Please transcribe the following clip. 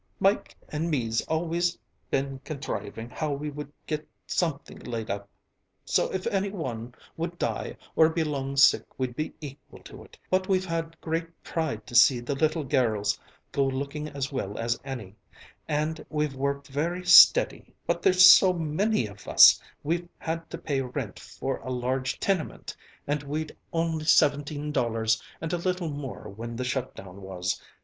"Mike an' me's always been conthrivin' how would we get something laid up, so if anny one would die or be long sick we'd be equal to it, but we've had great pride to see the little gerrls go looking as well as anny, and we've worked very steady, but there's so manny of us we've had to pay rint for a large tenement and we'd only seventeen dollars and a little more when the shut down was.